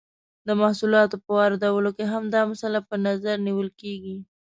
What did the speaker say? د محصولاتو په واردولو کې هم دا مسئله په نظر نیول کیږي.